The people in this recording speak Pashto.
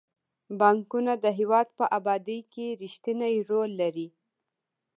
بانکونه د هیواد په ابادۍ کې رښتینی رول لري.